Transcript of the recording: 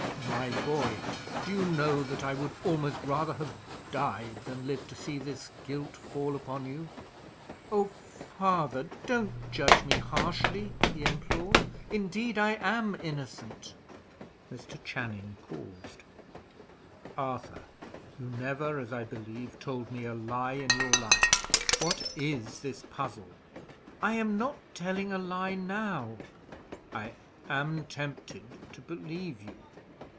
"My boy, do you know that I would almost rather have died, than live to see this guilt fall upon you?" "Oh, father, don't judge me harshly!" he implored. "Indeed I am innocent." Mr. Channing paused. "Arthur, you never, as I believe, told me a lie in your life. What is this puzzle?" "I am not telling a lie now." "I am tempted to believe you.